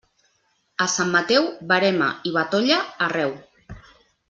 A Sant Mateu, verema i batolla arreu.